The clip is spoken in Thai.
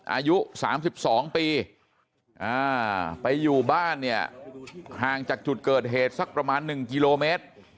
อายุ๓๒ปีไปอยู่บ้านเนี่ยห่างจากจุดเกิดเหตุสักประมาณ๑กิโลเมตร